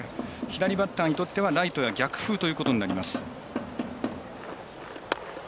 左バッターにとってはライトへの逆風ということになります。